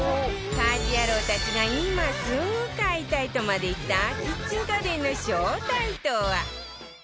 家事ヤロウたちが今すぐ買いたいとまで言ったキッチン家電の正体とは？